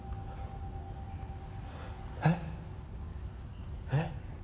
えっ？えっ？